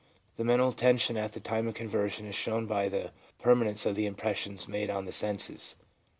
The mental tension at the time of conversion is shown by the permanence of the impressions made on the senses.